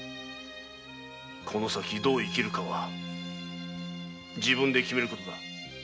この先どう生きるかは自分で決めることだ。